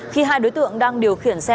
khi hai đối tượng đang điều khiển xe